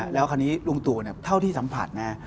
แล้วคราวนี้ลุงตู่เท่าที่สัมผัสนะ